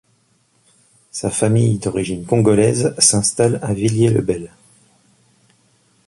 Sa famille d'origine congolaise s'installe à Villiers-le-Bel.